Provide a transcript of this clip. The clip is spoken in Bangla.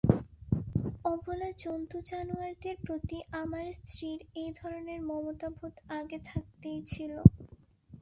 অবলা জন্তু-জানোয়ারদের প্রতি আমার স্ত্রীর এই ধরনের মমতাবোধ আগে থাকতেই ছিল।